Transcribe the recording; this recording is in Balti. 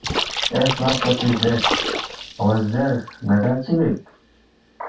اے ہرمِکپو سی زیرس، ”اون٘ا زیر ن٘دانگ چِہ بیک؟“